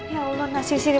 ya allah nasi sirih